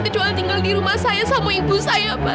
kecuali tinggal di rumah saya sama ibu saya pak